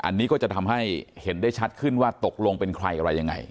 อันนี้ก็จะทำให้เห็นได้ชัดขึ้นว่าตกลงเป็นใครอะไรยังไง